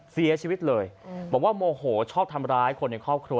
เสียชีวิตเลยบอกว่าโมโหชอบทำร้ายคนในครอบครัว